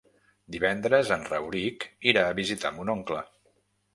Divendres en Rauric irà a visitar mon oncle.